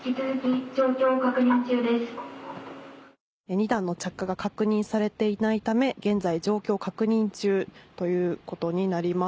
・２段の着火が確認されていないため現在状況を確認中ということになります。